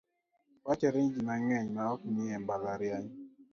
Wachore ni ji mang'eny ma ok nie mbalariany.